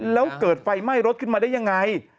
แล้วเกิดไฟไหม้รถขึ้นมาได้ยังไง